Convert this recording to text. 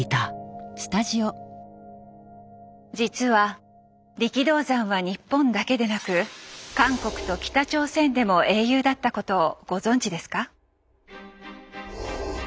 実は力道山は日本だけでなく韓国と北朝鮮でも英雄だったことをご存じですか？